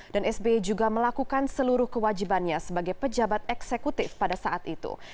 dan sbi juga melakukan seluruh kewajibannya sebagai pejabat eksekutif pada saat itu